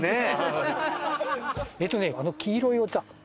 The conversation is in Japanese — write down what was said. えっとねあの黄色いお茶。